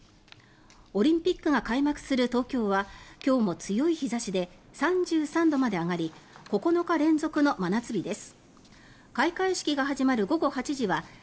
オリンピックが開幕する東京は今日も強い日差しで３３度まで上がり９日連続の真夏日です。